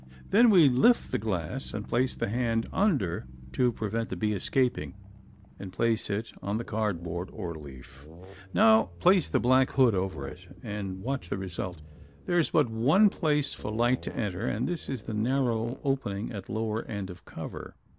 Then we lift the glass and place the hand under to prevent the bee escaping and place it on the cardboard or leaf. Now place the black hood over it and watch the result. There is but one place for light to enter and this is the narrow opening at lower end of cover.